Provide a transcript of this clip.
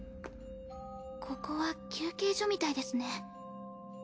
ここは休憩所みたいですね。